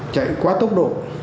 chạy quá tốc độ